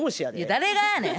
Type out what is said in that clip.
誰がやねん。